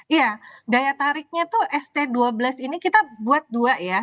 iya daya tariknya tuh st dua belas ini kita buat dua ya